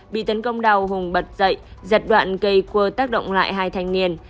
bị tấn công đào hùng bật dậy giật đoạn cây cua tác động lại hai thanh niên